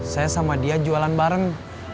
saya sama dia jualan bareng